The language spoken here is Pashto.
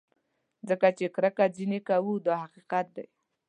ځکه چې کرکه ځینې کوو دا حقیقت دی.